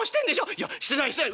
『いやしてないしてない！』